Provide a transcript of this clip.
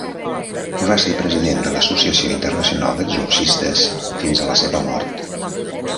Va ser president de l'Associació Internacional d'Exorcistes fins a la seva mort.